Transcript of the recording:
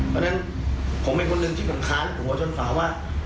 เพราะฉะนั้นผมเป็นคนหนึ่งที่ผมค้านหัวจนฝาว่า